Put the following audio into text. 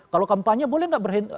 kalau kampanye boleh nggak berhenti